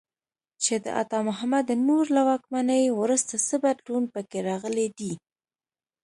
چې د عطا محمد نور له واکمنۍ وروسته څه بدلون په کې راغلی دی.